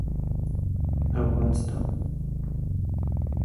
Афғанстан...